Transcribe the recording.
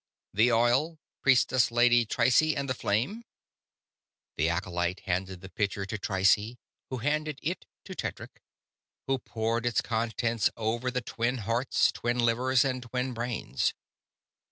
"The oil, Priestess Lady Trycie, and the flame." The acolyte handed the pitcher to Trycie, who handed it to Tedric, who poured its contents over the twin hearts, twin livers, and twin brains.